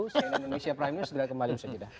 cnn indonesia prime news segera kembali bersedia